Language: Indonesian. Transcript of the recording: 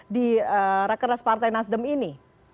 di rakernas partai nasdem ini